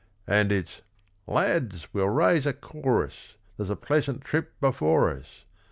And it's 'Lads! we'll raise a chorus, There's a pleasant trip before us.'